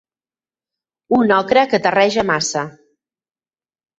Un ocre que terreja massa.